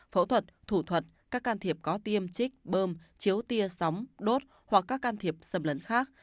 phẫu thuật thủ thuật các can thiệp có tiêm trích bơm chiếu tia sóng đốt hoặc các can thiệp xâm lấn khác